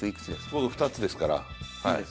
僕、２つですから。